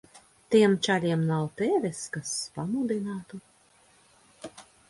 Tiem čaļiem nav tevis, kas pamudinātu.